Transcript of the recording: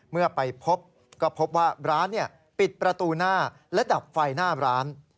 เมื่อไปพบก็พบว่าร้านปิดประตูหน้าและดับไฟหน้าร้าน